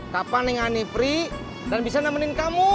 kapan neng ani prik dan bisa nemenin kamu